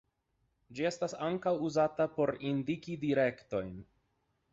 Ĝi estas ankaŭ uzata por indiki direktojn.